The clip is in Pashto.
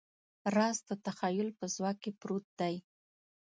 راز د تخیل په ځواک کې پروت دی.